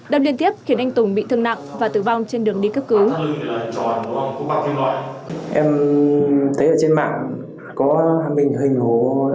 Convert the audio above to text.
đâm liên tiếp khiến anh tùng bị thương nặng và tử vong trên đường đi cấp cứu